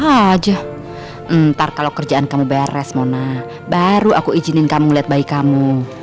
aja ntar kalau kerjaan kamu beres mona baru aku izinin kamu lihat bayi kamu